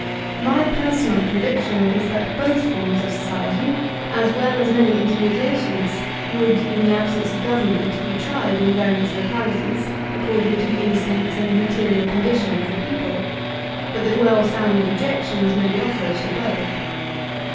My personal conviction is that both forms of society, as well as many intermediations^ would, in the absence of government, be tried in various localities, according to the instincts and material condi tion of the people, but that well founded objections may be offered to both.